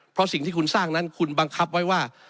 เพราะสิ่งที่คุณสร้างนั้นคุณบังคับไว้ว่า